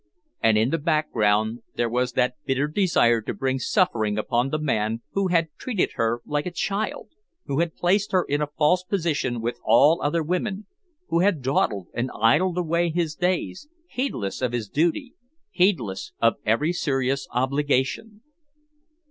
And in the background there was that bitter desire to bring suffering upon the man who had treated her like a child, who had placed her in a false position with all other women, who had dawdled and idled away his days, heedless of his duty, heedless of every serious obligation.